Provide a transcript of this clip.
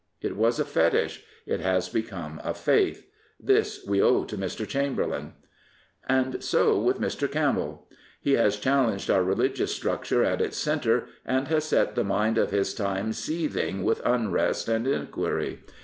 It was a fetish; it has become a faith. This we owe to Mr. Chamberlain. And so with Mr. Campbell. He has challenged our religious structure at its centre and has set the mind of his time seething with unrest and inquiry.